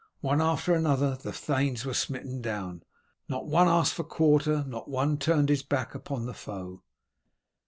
One after another the thanes were smitten down. Not one asked for quarter, not one turned his back upon the foe.